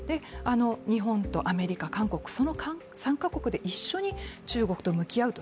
日本とアメリカ、韓国その３か国で一緒に中国と向き合うと。